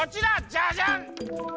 ジャジャン！